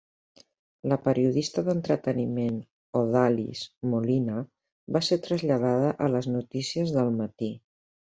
La periodista d'entreteniment Odalys Molina va ser traslladada a les notícies del matí.